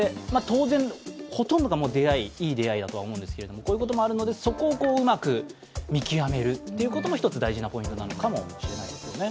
当然、ほとんどがいい出会いだと思うんですけど、こういうこともあるのでそこをまく見極めるということも一つ大事なポイントでありますね。